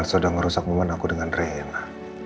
el sedang ngerusak momen aku dengan reyna